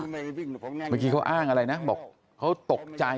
เมื่อกี้เขาอ้างอะไรนะบอกเขาตกใจ